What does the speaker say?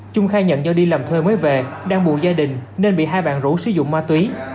trung khai nhận do đi làm thuê mới về đang bù gia đình nên bị hai bạn rủ sử dụng ma túy